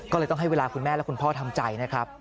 ก็เลยต้องให้เวลาคุณแม่และคุณพ่อทำใจนะครับ